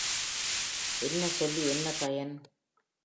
என்ன சொல்வி என்ன பயன்?